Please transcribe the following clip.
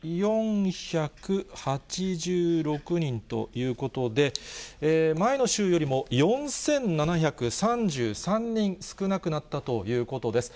９４８６人ということで、前の週よりも４７３３人少なくなったということです。